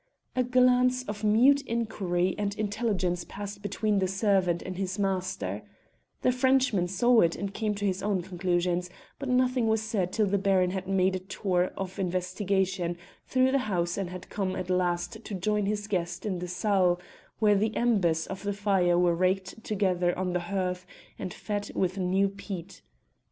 A glance of mute inquiry and intelligence passed between the servant and his master: the Frenchman saw it and came to his own conclusions, but nothing was said till the Baron had made a tour of investigation through the house and come at last to join his guest in the salle, where the embers of the fire were raked together on the hearth and fed with new peat.